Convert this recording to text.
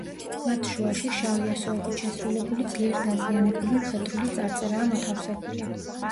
მათ შუაში შავი ასოებით შესრულებული ძლიერ დაზიანებული მხედრული წარწერაა მოთავსებული.